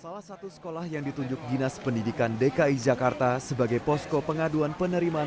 salah satu sekolah yang ditunjuk dinas pendidikan dki jakarta sebagai posko pengaduan penerimaan